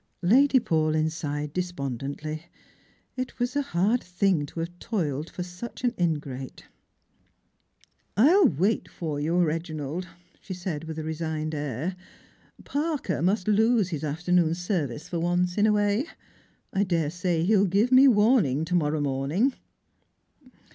Lady Paulyn sighed despondently. It was a hard thing to have toiled for such an ingrate. " I'll wait for you, Reginald," she said with a resigned air " Parker must lose his afternoon's service for once in a way. I daresay he'll give me warning to morrow morning."